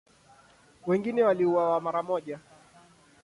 Wengine waliuawa mara moja.